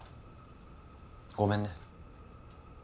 ごめんね。